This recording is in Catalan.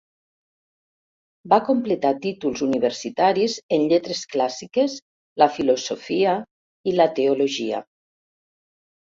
Va completar títols universitaris en lletres clàssiques, la filosofia i la teologia.